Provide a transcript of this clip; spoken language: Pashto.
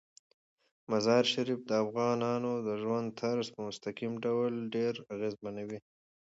مزارشریف د افغانانو د ژوند طرز په مستقیم ډول ډیر اغېزمنوي.